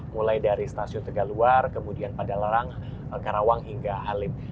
mulai dari stasiun tegaluar kemudian padalarang karawang hingga halim